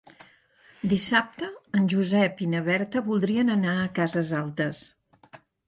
Dissabte en Josep i na Berta voldrien anar a Cases Altes.